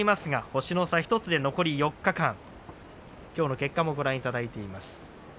星の差は１つ残り４日間きょうの結果をご覧いただいてます。